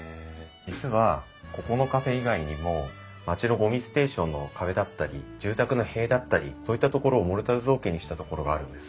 実はここのカフェ以外にも町のゴミステーションの壁だったり住宅の塀だったりそういったところをモルタル造形にしたところがあるんです。